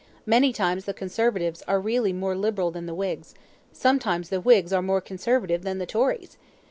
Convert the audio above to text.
Many times the Conservatives are really more liberal than the Whigs sometimes the Whigs are more Conservative than the Tories.